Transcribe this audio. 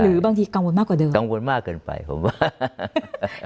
หรือบางทีกังวลมากกว่าเดิมกังวลมากเกินไปผมว่า